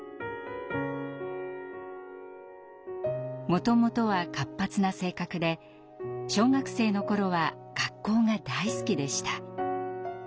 もともとは活発な性格で小学生の頃は学校が大好きでした。